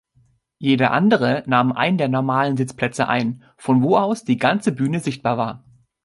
Jeder andere nahm einen der normalen Sitzplätze ein, von wo aus die ganze Bühne sichtbar war.